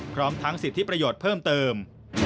พร้อมทั้งสิทธิประโยชน์เพิ่มเติม